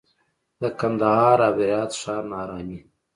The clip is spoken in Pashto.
د کندهار او هرات ښار ناارامي